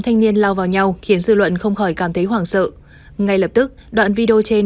thanh niên lao vào nhau khiến dư luận không khỏi cảm thấy hoảng sợ ngay lập tức đoạn video trên